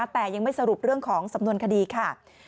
แต่ยังไม่สรุปเรื่องของสำนวนคดีค่ะ